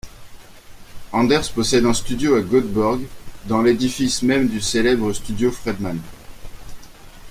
Anders possède un studio, à Göteborg, dans l'édifice même du célèbre studio Fredman.